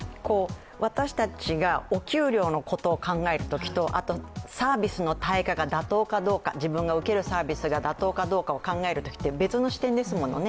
私たちがお給料のことを考えるときと、サービスの対価が自分が受けるサービスが妥当かどうか、考えるのは別の視点ですものね。